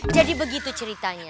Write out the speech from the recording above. jadi begitu ceritanya